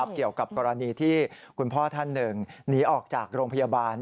เกี่ยวกับกรณีที่คุณพ่อท่านหนึ่งหนีออกจากโรงพยาบาล